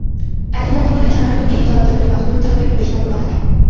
একজন যাত্রী বললেন, সাধারণত দিনে চলাচলকারী বাসগুলোর চালকেরা একটু বেশি বেপরোয়া থাকেন।